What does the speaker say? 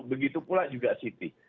begitu pula juga city